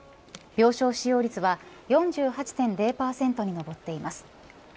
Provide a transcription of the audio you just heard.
病床使用率は４８．０％に上っています。